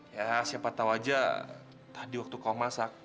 ya siapa tahu aja tadi waktu kau masak